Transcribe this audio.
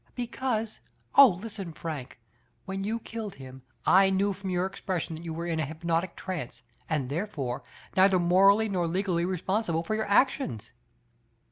Because — oh, listen, Frank — when you killed him, I knew from your expression that you were in a hypnotic trance, s^nd, therefore, neither morally nor legally responsible for your actions!"